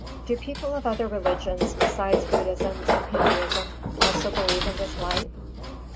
_Do people of other religions besides Buddhism and Hindūism also believe in this light?